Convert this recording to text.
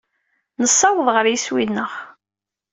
Nessaweḍ ɣer yeswi-nneɣ.